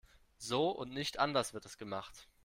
So und nicht anders wird es gemacht.